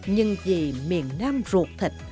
nhưng vì miền nam ruột thịt